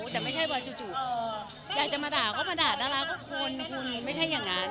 แต่ไม่ใช่ว่าจู่อยากจะมาด่าก็มาด่าดาราก็คนคุณไม่ใช่อย่างนั้น